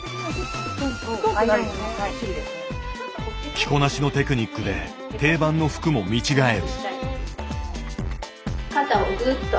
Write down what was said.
着こなしのテクニックで定番の服も見違える。